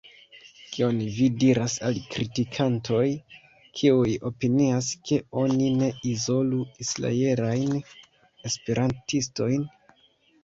Kion vi diras al kritikantoj, kiuj opinias, ke oni ne izolu israelajn esperantistojn?